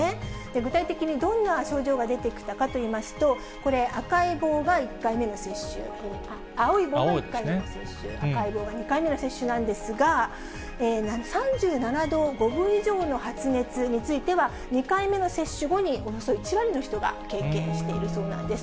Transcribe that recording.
具体的にどんな症状が出てきたかといいますと、これ、赤い棒が１回目の接種、青い棒が１回目の接種、赤い棒が２回目の接種なんですが、３７度５分以上の発熱については、２回目の接種後におよそ１割の人が経験しているそうなんです。